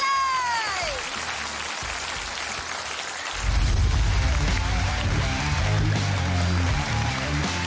เอาล่ะพร้อมแล้วก็โค้ดเลย